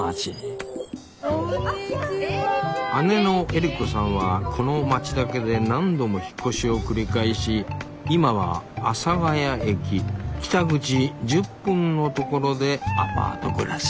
姉のエリコさんはこの町だけで何度も引っ越しを繰り返し今は阿佐ヶ谷駅北口１０分のところでアパート暮らし。